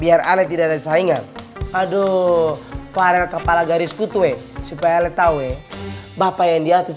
biar alet tidak ada saingan aduh parel kepala garis kutu eh supaya letak weh bapak yang di atas